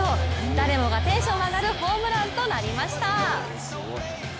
誰もがテンション上がるホームランとなりました。